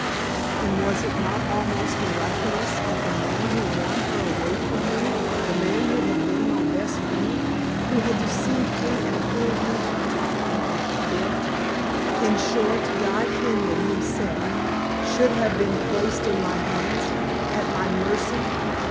And was it not almost miraculous that the man who won her away from me the man who had been my best friend, who had deceived me and fooled me to the top of my bent in short, Guy Kenyon himself should have been placed in my hands at my mercy!